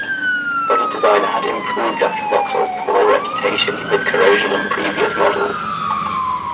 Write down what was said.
Body design had improved after Vauxhall's poor reputation with corrosion on previous models.